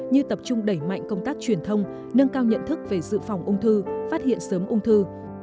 như tập trung đẩy mạnh công tác truyền thông nâng cao nhận thức về dự phòng ung thư phát hiện sớm ung thư